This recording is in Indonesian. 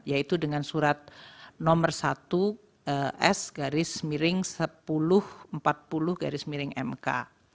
yaitu dengan surat nomor satu s garis miring sepuluh empat puluh garis miring mk